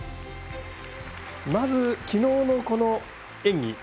まず、きのうの演技。